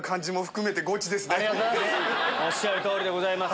おっしゃる通りでございます。